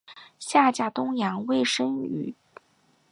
下嫁东阳尉申翊圣。